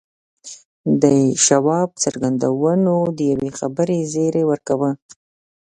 د شواب څرګندونو د یوې خبرې زیری ورکاوه